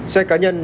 xe cá nhân